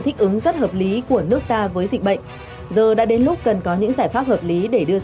hướng thứ sáu là hướng dịch vụ